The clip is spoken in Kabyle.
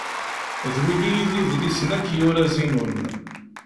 D wigi i d idlisen akk yura Zinun.